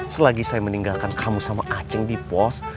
selagi saya meninggalkan kamu sama aceng di pos